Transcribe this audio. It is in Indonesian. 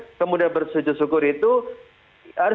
iyala tersebut untuk counter